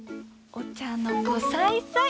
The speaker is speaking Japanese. お茶の子さいさい！